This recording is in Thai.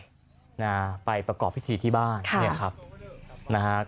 ซึ่งต้องเชื่อนาณไปประกอบพิธีที่บ้าน